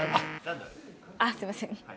あっ、すみません。